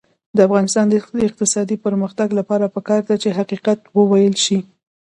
د افغانستان د اقتصادي پرمختګ لپاره پکار ده چې حقیقت وویلی شو.